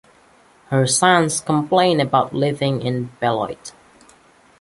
Her sons complained about living in Beloit.